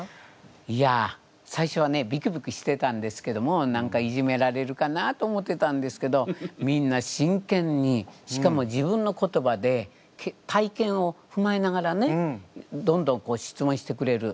いや最初はねビクビクしてたんですけども何かいじめられるかなと思ってたんですけどみんな真剣にしかも自分の言葉で体験をふまえながらねどんどん質問してくれる。